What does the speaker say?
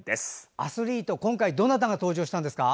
アスリートは今回どなたが登場したんですか？